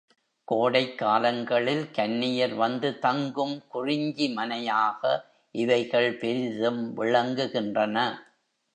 கோடைக் காலங்களில் கன்னியர் வந்து தங்கும் குறிஞ்சிமனையாக இவைகள் பெரிதும் விளங்குகின்றன.